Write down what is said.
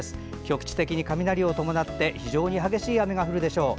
局地的に雷を伴って非常に激しい雨が降るでしょう。